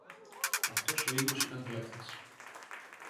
Αυτός ο ίδιος ήταν κλέφτης